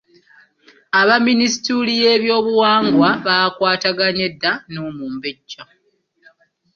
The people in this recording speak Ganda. Aba minisitule y’ebyobuwangwa baakwataganye dda n’omumbejja.